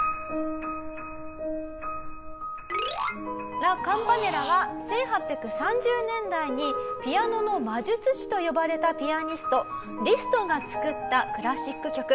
『ラ・カンパネラ』は１８３０年代にピアノの魔術師と呼ばれたピアニストリストが作ったクラシック曲。